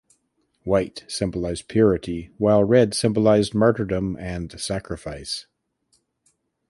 White symbolized purity while red symbolized martyrdom and sacrifice.